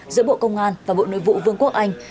giữa bộ công an và bộ nội vụ vương quốc anh